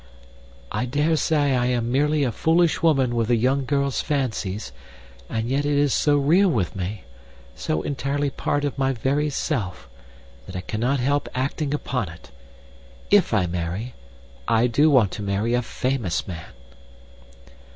"I dare say I am merely a foolish woman with a young girl's fancies. And yet it is so real with me, so entirely part of my very self, that I cannot help acting upon it. If I marry, I do want to marry a famous man!"